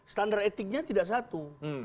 standar etiknya tidak satu